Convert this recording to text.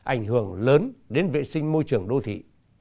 ảnh hưởng lớn đến vệ sinh môi trường đô thị